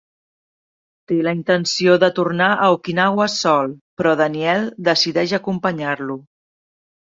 Té la intenció de tornar a Okinawa sol, però Daniel decideix acompanyar-lo.